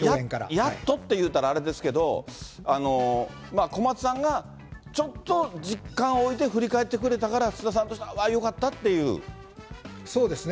やっとって言うたら、あれですけど、小松さんが、ちょっと時間おいて振り返ってくれたから、菅田さんとしては、あそうですね。